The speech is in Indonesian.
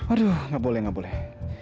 aduh nggak boleh nggak boleh